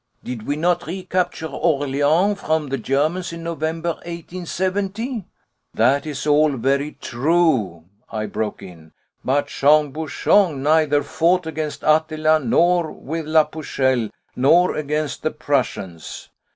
Did we not recapture Orléans from the Germans in November, 1870?" "That is all very true," I broke in. "But Jean Bouchon neither fought against Attila nor with la Pucelle, nor against the Prussians.